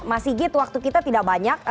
mas sigit waktu kita tidak banyak